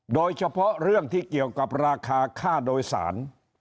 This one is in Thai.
โดยเฉพาะเรื่องที่เกี่ยวกับราคาค่าโดยสาร